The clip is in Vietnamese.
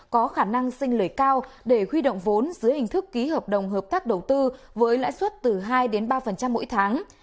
có khả năng sinh lời cao để huy động vốn dưới hình thức ký hợp đồng hợp tác đầu tư với lãi suất từ hai ba mỗi tháng